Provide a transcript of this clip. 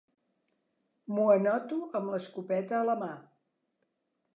M'ho anoto amb l'escopeta a la mà.